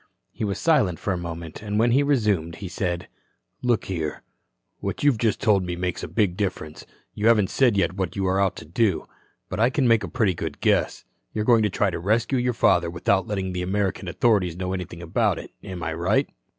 He was silent for a moment, and when he resumed, he said: "Look here. What you've just told me makes a big difference. You haven't said yet what you are out to do. But I can make a pretty good guess. You're going to try to rescue your father without letting the American authorities know anything about it. Am I right?"